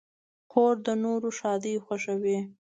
خور د نورو ښادۍ خوښوي.